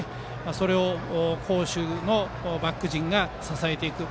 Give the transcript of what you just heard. それを好守のバック陣が支えていく。